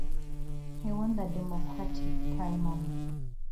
He won the Democratic primary.